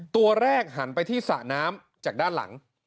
ตัวแรกหันไปที่สระน้ำจากด้านหลัง